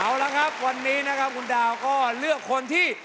เอาละครับวันนี้นะครับคุณดาวก็เลือกคนที่